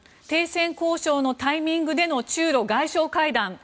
停戦交渉のタイミングでの中ロ外相会談。